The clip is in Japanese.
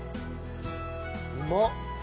うまっ！